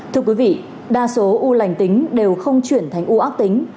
thưa quý vị đa số u lành tính đều không chuyển thành u ác tính